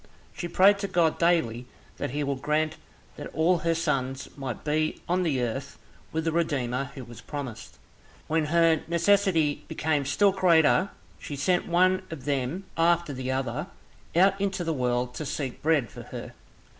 She prayed to God daily that he would grant that all her sons might be on the earth with the Redeemer who was promised. When her necessity became still greater she sent one of them after the other out into the world to seek bread for her.